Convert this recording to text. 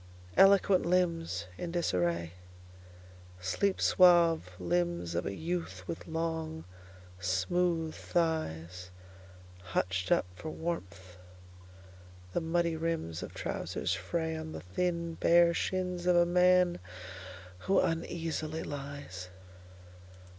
Eloquent limbsIn disarraySleep suave limbs of a youth with long, smooth thighsHutched up for warmth; the muddy rimsOf trousers frayOn the thin bare shins of a man who uneasily lies.